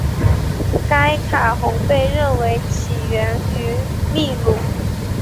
该卡洪被认为起源于秘鲁。